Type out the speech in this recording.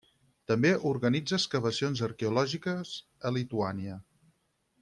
També organitza excavacions arqueològiques a Lituània.